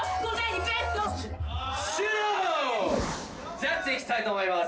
ジャッジいきたいと思います。